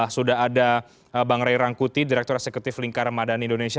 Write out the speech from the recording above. sudah ada bang ray rangkuti direktur eksekutif lingkar madani indonesia